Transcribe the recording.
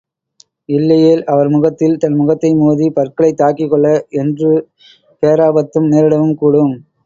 இல்லையேல் அவர் முகத்தில் தன் முகத்தை மோதி, பற்களைத் தாக்கிக் கொள்ள என்று பேராபத்தும் நேரிடவும் கூடும்.